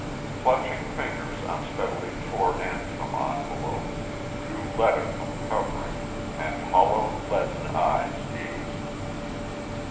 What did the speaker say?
Clutching fingers unsteadily tore end from envelope drew letter from covering, and hollow, leaden eyes gazed.